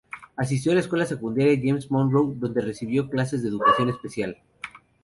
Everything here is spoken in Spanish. Asistió a la escuela secundaria James Monroe, donde recibió clases de educación especial.